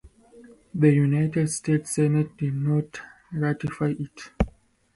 The United States Senate did not ratify it.